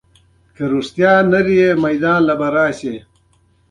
هغوی دا کارونه د نورو د تیروتلو لپاره کوي